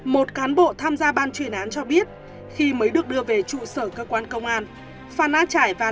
một cán bộ tham gia ban chuyên án cho biết khi mới được đưa về trụ sở cơ quan công an phan a trải và